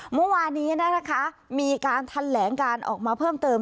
เมื่อวานนี้นะคะมีการทันแหลงการออกมาเพิ่มเติม